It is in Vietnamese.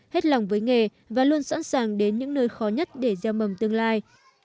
hết lòng với nghề và luôn sẵn sàng đến những nơi khó nhất để gieo mầm tương lai